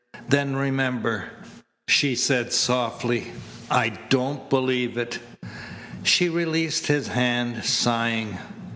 "Then remember," she said softly, "I don't believe it." She released his hand, sighing.